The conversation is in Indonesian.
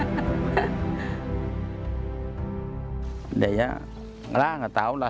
sebenarnya nggak tahu lah